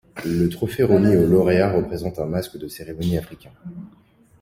Le trophée remis aux lauréats représente un masque de cérémonie africain.